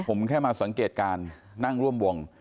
ผมแค่มาสังเกตการณ์นั่งร่วมวง